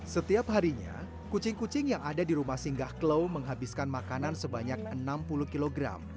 setiap harinya kucing kucing yang ada di rumah singgah klau menghabiskan makanan sebanyak enam puluh kg